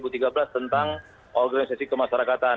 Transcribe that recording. tentang organisasi kemasyarakatan